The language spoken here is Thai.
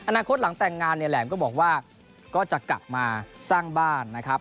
อนาคตหลังแต่งงานเนี่ยแหลมก็บอกว่าก็จะกลับมาสร้างบ้านนะครับ